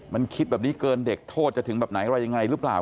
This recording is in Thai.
มันคิดแบบนี้เกินเด็กโทษจะถึงแบบไหนอะไรยังไงหรือเปล่า